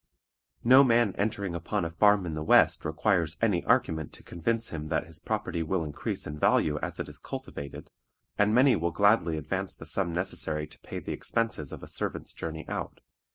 No man entering upon a farm in the West requires any argument to convince him that his property will increase in value as it is cultivated, and many will gladly advance the sum necessary to pay the expenses of a servant's journey out.